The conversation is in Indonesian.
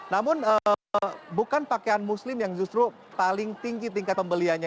namun bukan pakaian muslim yang justru paling tinggi tingkat pembeliannya